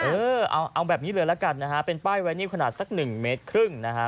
เออเอาแบบนี้เลยละกันนะฮะเป็นป้ายไวนิวขนาดสักหนึ่งเมตรครึ่งนะฮะ